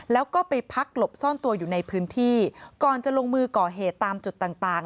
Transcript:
แล้วก็ไปพักหลบซ่อนตัวอยู่ในพื้นที่ก่อนจะลงมือก่อเหตุตามจุดต่างต่าง